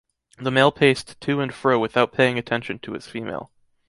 The male paced to and fro without paying attention to his female.